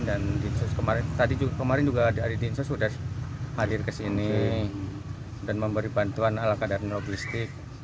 pabrik untuk kemasnadaya jika ada misi beha begitu banyak orang rendah aku adalah kemudian relationships